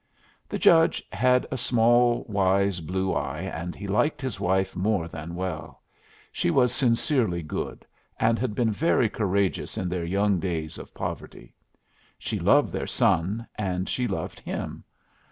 The judge had a small, wise blue eye, and he liked his wife more than well. She was sincerely good, and had been very courageous in their young days of poverty. She loved their son, and she loved him.